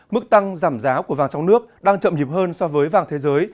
mức tăng giảm giá của vàng trong nước đang chậm nhịp hơn so với vàng thế giới